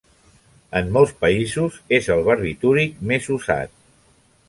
En molts països és el barbitúric més usat.